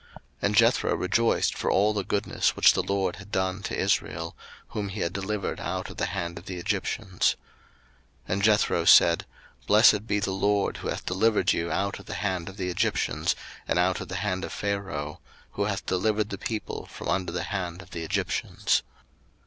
02:018:009 And Jethro rejoiced for all the goodness which the LORD had done to Israel, whom he had delivered out of the hand of the Egyptians. 02:018:010 And Jethro said, Blessed be the LORD, who hath delivered you out of the hand of the Egyptians, and out of the hand of Pharaoh, who hath delivered the people from under the hand of the Egyptians.